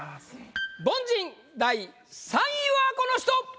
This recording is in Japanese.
凡人第３位はこの人！